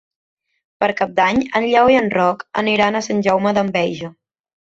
Per Cap d'Any en Lleó i en Roc aniran a Sant Jaume d'Enveja.